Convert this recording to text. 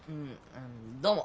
どうも。